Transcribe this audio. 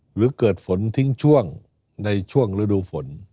หรือเกิดฝนทิ้งช่วงในช่วงฤดูฝน